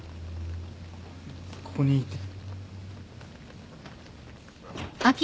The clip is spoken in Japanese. ここにいて。